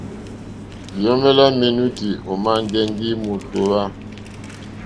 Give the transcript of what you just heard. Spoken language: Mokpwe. Liomè la menuti òma ŋgɛŋgi mòtohwa.